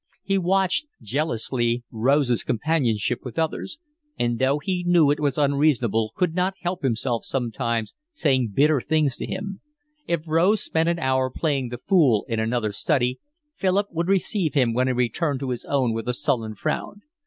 He watched jealously Rose's companionship with others; and though he knew it was unreasonable could not help sometimes saying bitter things to him. If Rose spent an hour playing the fool in another study, Philip would receive him when he returned to his own with a sullen frown.